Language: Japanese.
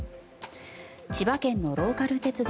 千葉県のローカル鉄道